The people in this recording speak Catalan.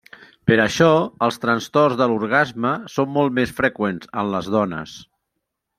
Per això, els trastorns de l'orgasme són molt més freqüents en les dones.